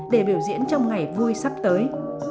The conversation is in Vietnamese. để biểu diễn trong ngày vui sắp tới